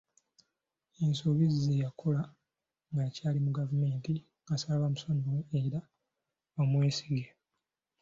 Ensobi ze yakola ng'akyali mu gavumenti, asaba bamusonyiwe era bamwesige.